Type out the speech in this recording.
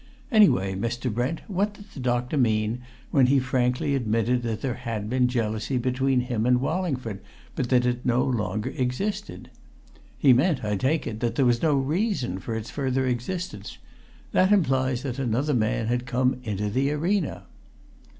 Anyway, Mr. Brent, what did the doctor mean when he frankly admitted that there had been jealousy between him and Wallingford, but that it no longer existed? He meant, I take it, that there was no reason for its further existence. That implies that another man had come into the arena!"